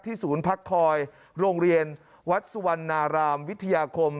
ศูนย์พักคอยโรงเรียนวัดสุวรรณารามวิทยาคม